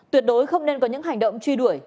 tuyệt đối không nên có những hành động truy đuổi